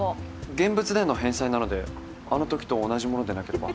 現物での返済なのであの時と同じものでなければ。